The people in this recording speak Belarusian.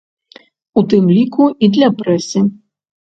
У тым ліку і для прэсы.